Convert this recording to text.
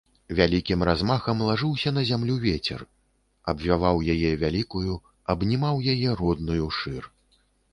Вялікім размахам лажыўся на зямлю вецер, абвяваў яе, вялікую, абнімаў яе родную шыр.